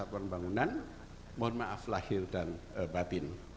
pembangunan mohon maaf lahir dan batin